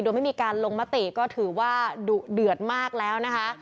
โดยไม่มีการลงมติก็ถือว่าดุเดือดมากแล้วนะคะ